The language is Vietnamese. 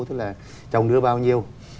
tức là chồng đưa bao nhiêu